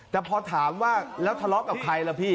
แต่พอถามว่าแล้วทะเลาะกับใครล่ะพี่